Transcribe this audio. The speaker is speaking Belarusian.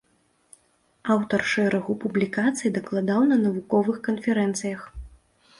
Аўтар шэрагу публікацый, дакладаў на навуковых канферэнцыях.